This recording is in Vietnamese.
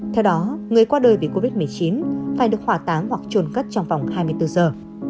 theo đó người qua đời vì covid một mươi chín phải được hỏa táng hoặc trồn cất trong vòng hai mươi bốn giờ